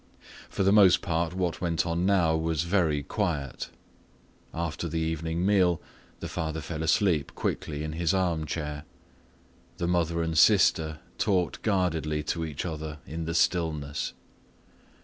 For the most part what went on now was very quiet. After the evening meal, the father fell asleep quickly in his arm chair. The mother and sister talked guardedly to each other in the stillness.